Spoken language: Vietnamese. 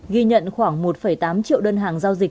ghi nhận khoảng một tám triệu đơn hàng giao dịch